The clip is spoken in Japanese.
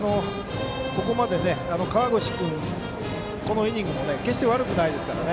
ここまで河越君、このイニングも決して悪くないですから。